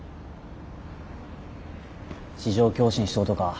地上共振しとうとか。